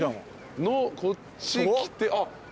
こっち来てあっ